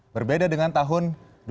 berbeda dengan tahun dua ribu dua puluh dua